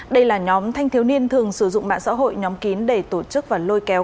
đây là nhóm thanh thiếu niên thường sử dụng mạng xã hội nhóm kín để tổ chức và lôi kéo